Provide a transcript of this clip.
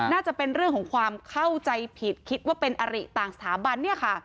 น่าจะเป็นเรื่องของความเข้าใจผิดคิดว่าเป็นอริต่างสถาบันเนี่ยค่ะ